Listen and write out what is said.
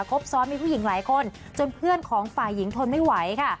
ครบซ้อนมีผู้หญิงหลายคนจนเพื่อนของฝ่ายหญิงทนไม่ไหวค่ะ